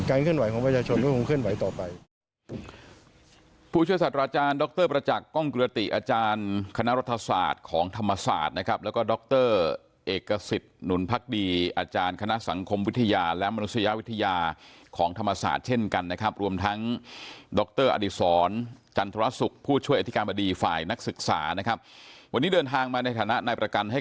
เคลื่อนไหวของประชาชนก็คงเคลื่อนไหวต่อไป